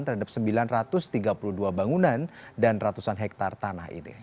terhadap sembilan ratus tiga puluh dua bangunan dan ratusan hektare tanah ini